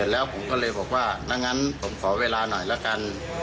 แล้วผมก็เลยบอกว่าถ้างั้นผมขอเวลาหน่อยละกัน